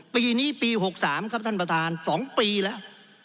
ปีนี้ปี๖๓ครับท่านประธาน๒ปีแล้ว